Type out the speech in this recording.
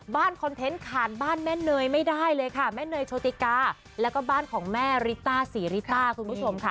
คอนเทนต์ผ่านบ้านแม่เนยไม่ได้เลยค่ะแม่เนยโชติกาแล้วก็บ้านของแม่ริต้าศรีริต้าคุณผู้ชมค่ะ